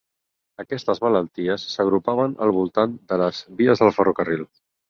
Aquestes malalties s'agrupaven al voltant de les vies del ferrocarril.